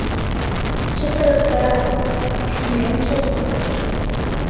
— Чытырыкта... шӱмем чылт утыш...